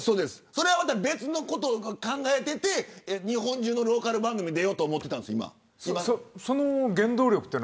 それは別のことを考えていて日本中のローカル番組に出ようと思っていたんです。